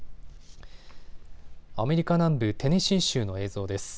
アメリカ南部テネシー州の映像です。